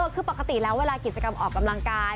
คือปกติแล้วเวลากิจกรรมออกกำลังกาย